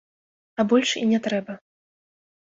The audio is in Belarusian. А больш і не трэба.